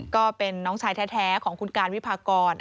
ก็เป็นน้องชายแท้ของคุณการวิพากร